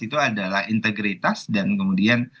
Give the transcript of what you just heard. itu adalah integritas dan kemudian